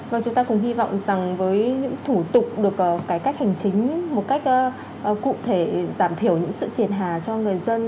vâng chúng ta cũng hy vọng rằng với những thủ tục được cải cách hành chính một cách cụ thể giảm thiểu những sự thiệt hà cho người dân